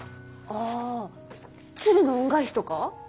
あ「鶴の恩返し」とか？